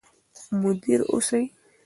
مدیر اوسئ.